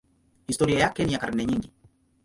Historia yake ni ya karne nyingi.